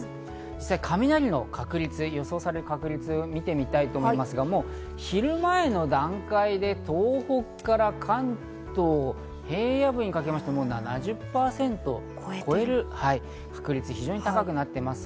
そして雷の予想される確率を見てみたいと思いますが、昼前の段階で東北から関東平野部にかけまして、７０％を超える確率、非常に高くなっています。